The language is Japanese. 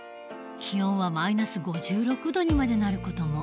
気温はマイナス５６度にまでなる事も。